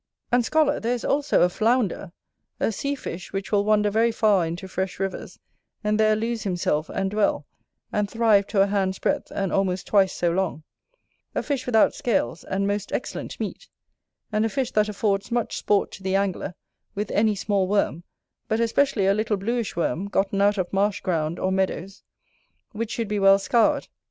And, scholar, there is also a FLOUNDER, a sea fish which will wander very far into fresh rivers, and there lose himself and dwell: and thrive to a hand's breadth, and almost twice so long: a fish without scales, and most excellent meat: and a fish that affords much sport to the angler, with any small worm, but especially a little bluish worm, gotten out of marsh ground, or meadows, which should be well scoured.